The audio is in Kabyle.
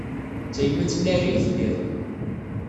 D tayemmat n lɛali i telliḍ.